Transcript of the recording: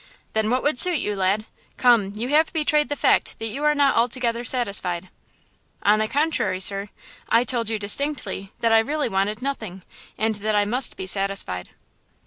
"Then what would suit you, lad? Come, you have betrayed the fact that you are not altogether satisfied." "On the contrary, sir, I told you distinctly that I really wanted nothing, and that I must be satisfied."